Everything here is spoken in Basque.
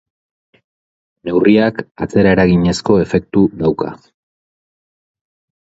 Neurriak atzeraeraginezko efektu dauka.